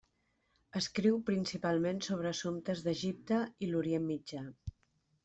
Escriu principalment sobre assumptes d'Egipte i l'Orient Mitjà.